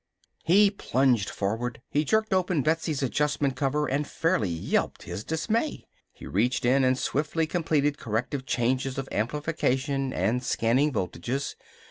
He plunged forward. He jerked open Betsy's adjustment cover and fairly yelped his dismay. He reached in and swiftly completed corrective changes of amplification and scanning voltages.